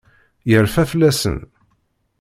Yerfa fell-asen.